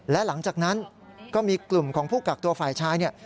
และหลังจากนั้นก็มีกลุ่มของผู้กักตัวฝ่ายชายเนี่ย